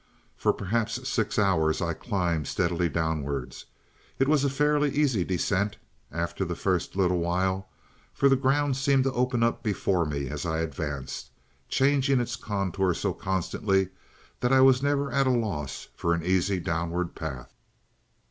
For perhaps six hours I climbed steadily downwards. It was a fairly easy descent after the first little while, for the ground seemed to open up before me as I advanced, changing its contour so constantly that I was never at a loss for an easy downward path.